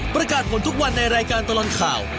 ประกาศผลทุกวันในรายการตลอดข่าว